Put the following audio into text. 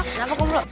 kenapa kau buruk